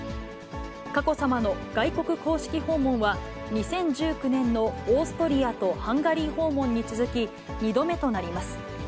佳子さまの外国公式訪問は、２０１９年のオーストリアとハンガリー訪問に続き２度目となります。